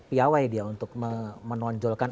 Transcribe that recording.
piawai dia untuk menonjolkan